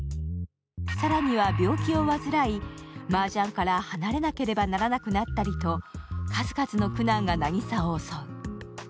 更には病気を患い、マージャンから離れなければならなくなったりと数々の苦難が渚を襲う。